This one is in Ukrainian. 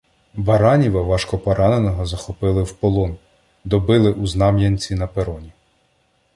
Бараніва важкопораненого захопили в полон — добили у Знам'янці на пероні.